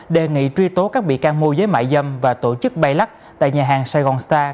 đề nghị truy tố các bị can mô giới mại dâm và tổ chức bay lắc tại nhà hàng sài gòn star